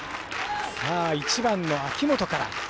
１番の秋元から。